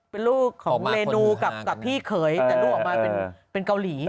เป็นลูกของเรนูกับพี่เขยแต่ลูกออกมาเป็นเกาหลี